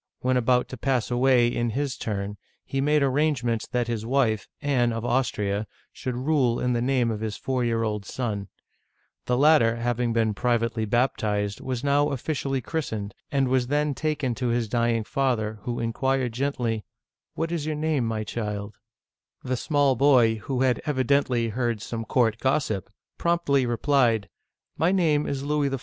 When about to pass away, in his turn, he made arrangements that his wife, Anne of Austria, should rule in the name of his four year old son. The latter, having been privately baptized, Lebrun and Girardon. Tomb of Richelieu. Digitized by Google LOUIS XIII. (1610 1643) 315 was now officially christened, and was then taken to his dying father, who inquired gently, " What is your name, my child?" The small boy — who had evidently heard some court gossip — promptly replied, "My name is Louis XIV.''